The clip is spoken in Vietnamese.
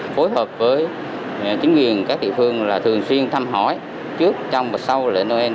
phối hợp với chính quyền các thị phương thường xuyên thăm hỏi trước trong và sau lễ noel